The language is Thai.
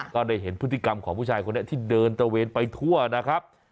ก็ได้เห็นพฤติกรรมของผู้ชายคนนี้ที่เดินตระเวนไปทั่วนะครับ